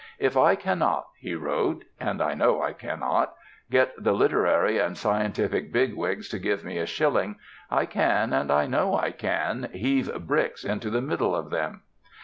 "If I cannot," he wrote, "and I know I cannot, get the literary and scientific bigwigs to give me a shilling, I can, and I know I can, heave bricks into the middle of them."